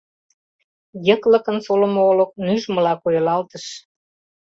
Йыклыкын солымо олык нӱжмыла койылалтыш.